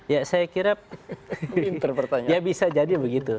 ya saya kira ya bisa jadi begitu